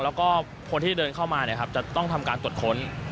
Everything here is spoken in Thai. แล้วก็คนที่เดินเข้ามาจะต้องทำการตรวจค้น